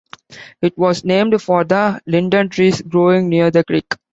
It was named for the linden trees growing near the creek.